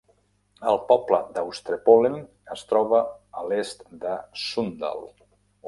El poble d'Austrepollen es troba a l'est de Sunndal.